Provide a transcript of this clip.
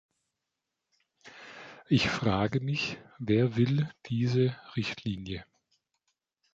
Ich frage mich, wer will diese Richtlinie?